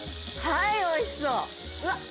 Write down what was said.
はい美味しそう。